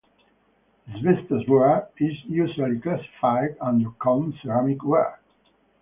Asbestos ware is usually classified under comb ceramic ware.